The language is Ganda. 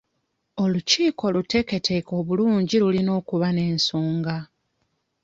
Olukiiko oluteeketeeke obulungi lulina okuba n'ensonga.